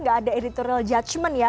gak ada editorial judgement ya